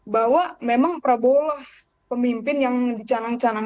bahwa memang prabowo lah pemimpin yang dicanang canangkan